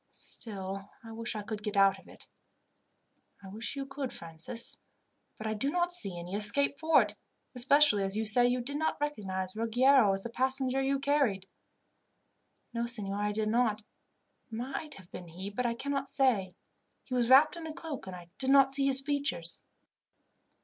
Still, I wish I could get out of it." "I wish you could, Francis, but I do not see any escape for it, especially as you say you did not recognize Ruggiero as the passenger you carried." "No, signor, I did not. It might have been he, but I cannot say. He was wrapped in a cloak, and I did not see his features."